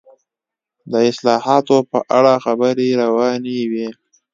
د اصلاحاتو په اړه خبرې روانې وې.